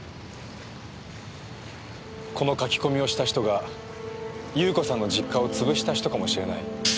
この書き込みをした人が優子さんの実家を潰した人かもしれない。